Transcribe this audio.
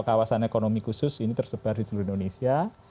kawasan ekonomi khusus ini tersebar di seluruh indonesia